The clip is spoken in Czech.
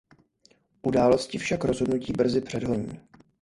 Události však rozhodnutí brzy předhoní.